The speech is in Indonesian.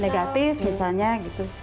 negatif misalnya gitu